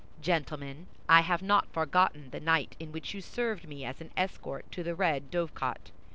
Gentlemen, I have not forgotten the night in which you served me as an escort to the Red Dovecot.